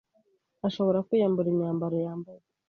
Ashobora kwiyambura imyambaro yambaye,